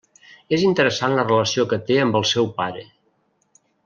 És interessant la relació que té amb el seu pare.